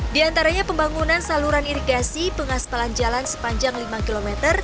di antaranya pembangunan saluran irigasi pengaspalan jalan sepanjang lima km